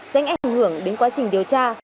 tránh ảnh hưởng đến quá trình điều tra